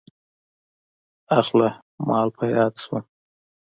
اخله مالې په ياده دې شوم.